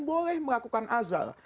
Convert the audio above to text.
boleh melakukan azal